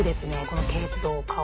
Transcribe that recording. この系統顔。